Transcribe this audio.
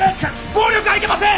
暴力はいけません！